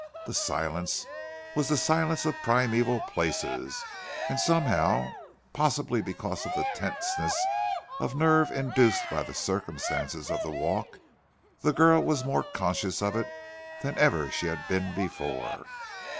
The silence was the silence of primeval places, and somehow, possibly because of the tenseness of nerve induced by the circumstances of the walk, the girl was more conscious of it than ever she had been before.